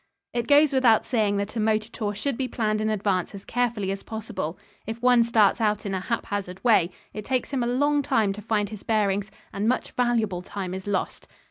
It goes without saying that a motor tour should be planned in advance as carefully as possible. If one starts out in a haphazard way, it takes him a long time to find his bearings, and much valuable time is lost.